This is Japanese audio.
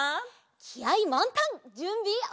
きあいまんたんじゅんびオッケー！